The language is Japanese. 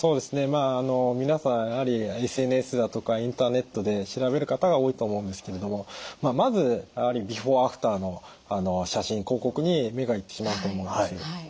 まあ皆さんやはりＳＮＳだとかインターネットで調べる方が多いと思うんですけれどもまずやはりビフォー・アフターの写真広告に目が行ってしまうと思うんです。